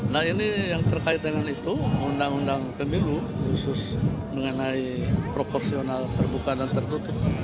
nah ini yang terkait dengan itu undang undang pemilu khusus mengenai proporsional terbuka dan tertutup